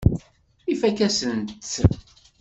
Ifakk-asen-tt.